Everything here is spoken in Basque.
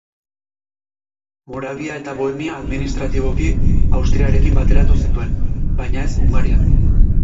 Moravia eta Bohemia administratiboki Austriarekin bateratu zituen, baina ez Hungaria.